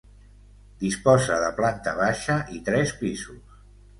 Disposa de planta baixa i tres pisos.